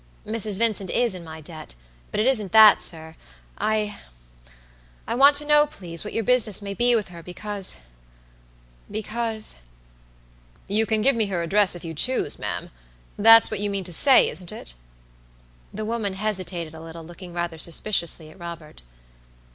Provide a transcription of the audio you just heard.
"Mrs. Vincent is in my debt; but it isn't that, sir. II want to know, please, what your business may be with herbecausebecause" "You can give me her address if you choose, ma'am. That's what you mean to say, isn't it?" The woman hesitated a little, looking rather suspiciously at Robert.